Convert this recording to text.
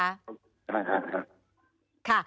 ใช่ค่ะ